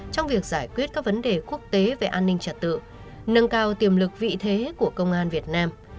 trong việc giải quyết các vấn đề quốc tế về an ninh trật tự nâng cao tiềm lực vị thế của công an việt nam